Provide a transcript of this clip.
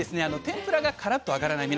天ぷらがカラッと揚がらない。